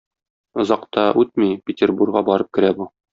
Озак та үтми, Петербурга барып керә бу.